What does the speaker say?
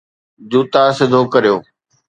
جوتا سڌو ڪريو